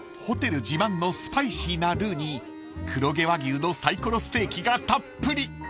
［ホテル自慢のスパイシーなルーに黒毛和牛のサイコロステーキがたっぷり］